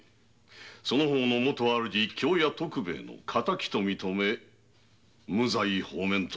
その方のもと主京屋徳兵衛の仇と認め無罪放免と致す。